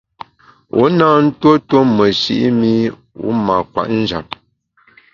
Wu na ntuo tuo meshi’ mi wu mâ kwet njap.